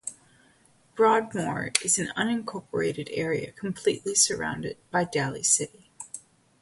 Broadmoor is an unincorporated area completely surrounded by Daly City.